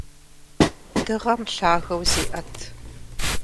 Дыгъэм лъагэу зеӀэт.